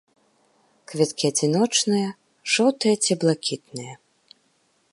Кветкі адзіночныя, жоўтыя ці блакітныя.